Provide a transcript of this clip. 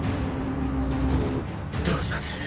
どうします